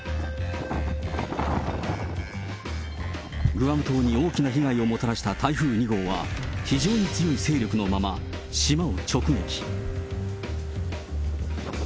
グアム島に大きな被害をもたらした台風２号は、非常に強い勢力のまま島を直撃。